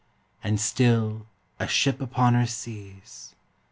And still, a ship upon her seas.